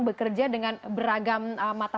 bekerja dengan beragam mata